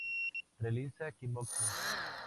Realiza kickboxing.